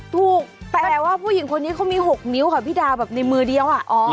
ถูกแต่ว่าผู้หญิงคนนี้เขามี๖นิ้วค่ะพี่ดาวแบบในมือเดียว